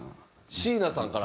椎名さんから？